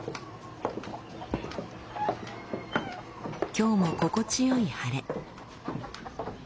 今日も心地よい晴れ。